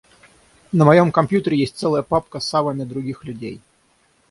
На моём компьютере есть целая папка с авами других людей.